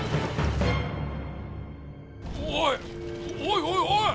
おいおいおいおい！